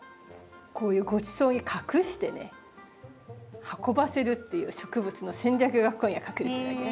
こういうごちそうに隠してね運ばせるっていう植物の戦略がここには隠れてるわけね。